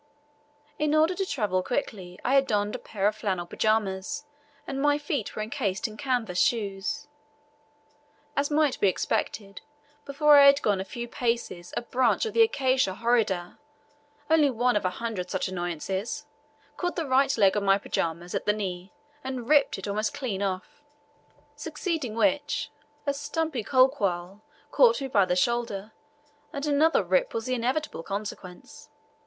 In order to travel quickly, I had donned a pair of flannel pyjamas, and my feet were encased in canvas shoes. As might be expected, before I had gone a few paces a branch of the acacia horrida only one of a hundred such annoyances caught the right leg of my pyjamas at the knee, and ripped it almost clean off; succeeding which a stumpy kolquall caught me by the shoulder, and another rip was the inevitable consequence.